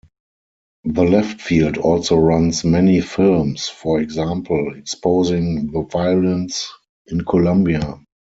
The Left Field also runs many films, for example exposing the violence in Colombia.